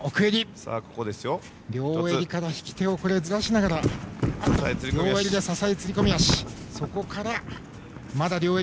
両襟から引き手をずらしながら両襟で支え釣り込み足。